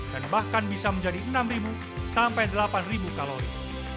dan bahkan bisa menjadi enam sampai delapan kalori